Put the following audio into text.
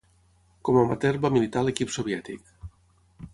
Com amateur va militar a l'equip soviètic.